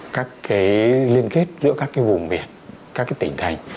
các liên kết giữa các vùng biển các tỉnh thành